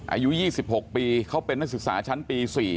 อายุ๒๖ปีเขาเป็นนักศึกษาชั้นปี๔